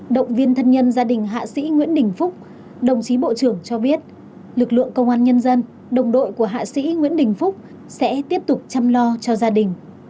động viên thân nhân gia đình hạ sĩ nguyễn đình phúc đồng chí bộ trưởng cho biết lực lượng công an nhân dân đồng đội của hạ sĩ nguyễn đình phúc sẽ tiếp tục chăm lo cho gia đình